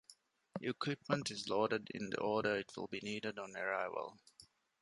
Equipment is loaded in the order it will be needed on arrival.